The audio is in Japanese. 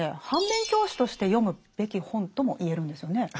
反面教師として読むべき本とも言えるんですよね。